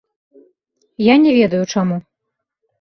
Я не ведаю, чаму.